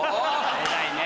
偉いね。